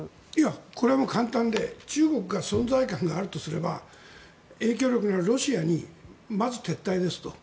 これは簡単で中国が存在感があるとすれば影響力のあるロシアにまず撤退ですと。